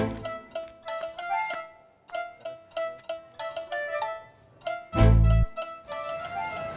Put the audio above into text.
tis ini dia